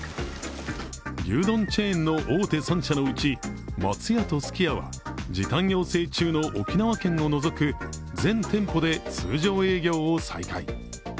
牛丼チェーンの大手３社のうち松屋とすき家は時短要請中の沖縄県を除く全店舗で通常営業を再開。